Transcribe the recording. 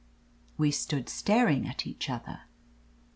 "We stood staring at each other.